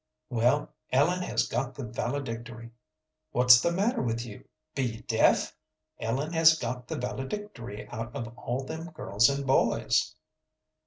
"Well, Ellen has got the valedictory. What's the matter with you? Be you deaf? Ellen has got the valedictory out of all them girls and boys."